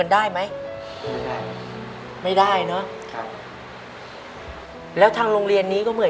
ในแคมเปญพิเศษเกมต่อชีวิตโรงเรียนของหนู